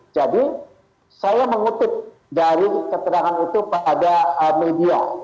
jadi saya mengutip dari keterangan itu pada media